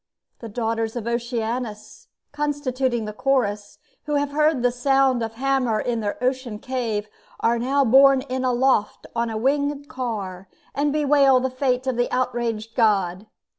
The daughters of Oceanus, constituting the Chorus, who have heard the sound of the hammer in their ocean cave, are now borne in aloft on a winged car, and bewail the fate of the outraged god.